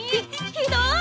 ひどい！